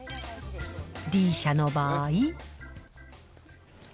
Ｄ社の場合。